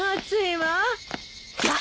わっ！